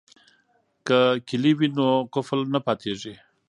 که کیلي وي نو قفل نه پاتیږي.